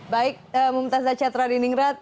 baik mumtazah catra di ningrat